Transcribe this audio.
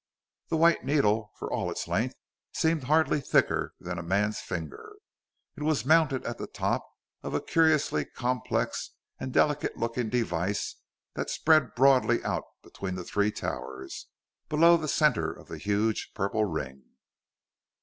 The white needle, for all its length, seemed hardly thicker than a man's finger. It was mounted at the top of a curiously complex and delicate looking device that spread broadly out between the three towers, below the center of the huge purple ring.